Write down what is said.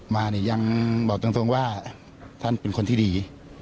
มาเนี่ยยังบอกตรงว่าท่านเป็นคนที่ดี